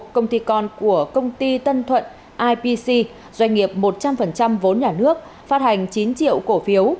công ty con của công ty tân thuận ipc doanh nghiệp một trăm linh vốn nhà nước phát hành chín triệu cổ phiếu